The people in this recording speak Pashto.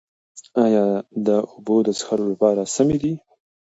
ایا دا اوبه د څښلو لپاره سمې دي؟